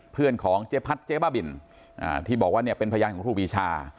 เพื่อนของเจ๊พัดเจ๊บ้าบินที่บอกว่าเนี่ยเป็นพยานของครูปีชา